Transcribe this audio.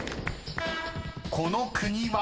［この国は？］